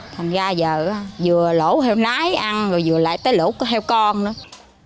thành ra giờ vừa lỗ heo lái ăn rồi vừa lại tới lỗ heo con nữa